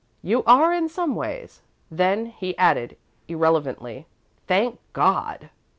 "You are in some ways." Then he added, irrelevantly, "Thank God!"